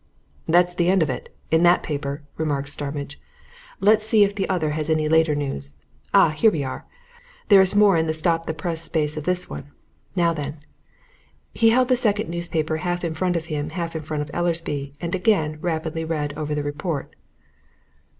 '" "That's the end of it in that paper," remarked Starmidge. "Let's see if the other has any later news. Ah! here we are! there is more in the stop press space of this one. Now then " He held the second newspaper half in front of himself, half in front of Easleby, and again rapidly read over the report.